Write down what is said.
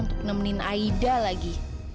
untuk nemenin aida lagi